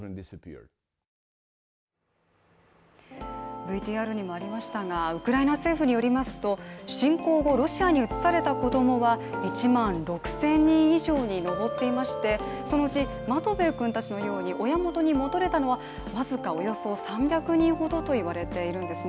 ＶＴＲにもありましたがウクライナ政府によると侵攻後、ロシアに移された子供は、１万６０００人以上に上っていましてそのうちマトベイ君たちのように親元に戻れたのは僅かおよそ３００人ほどと言われているんですね。